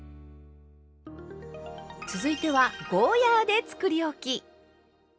続いてはゴーヤーでつくりおき。